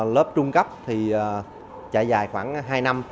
lớp trung cấp thì chạy dài khoảng hai năm